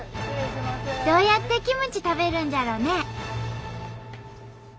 どうやってキムチ食べるんじゃろうね？